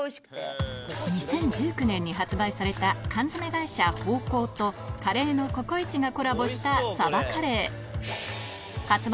２０１９年に発売された缶詰会社宝幸とカレーのココイチがコラボしたさばカレー発売